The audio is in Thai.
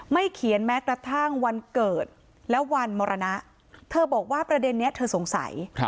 เขียนแม้กระทั่งวันเกิดและวันมรณะเธอบอกว่าประเด็นนี้เธอสงสัย